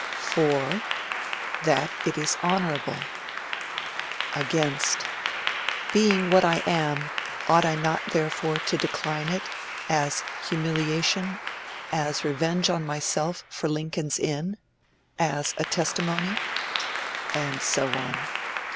2. That it is honourable. 2. Being what I am, ought I not therefore to decline it (1) as humiliation; (2) as revenge on myself for Lincoln's Inn; (3) as a testimony? And so on.